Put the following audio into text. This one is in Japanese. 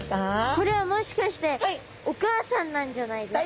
これはもしかしてお母さんなんじゃないですか？